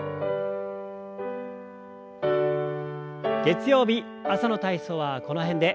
月曜日朝の体操はこの辺で。